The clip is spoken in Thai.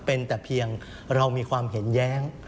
เป็นแต่เพียงเรามีความเห็นแย้ง